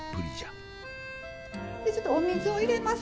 ちょっとお水を入れます。